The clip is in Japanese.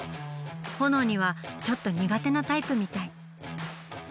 ホノオにはちょっと苦手なタイプみたい。